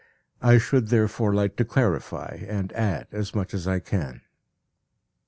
I should therefore like to clarify and add as much as I can.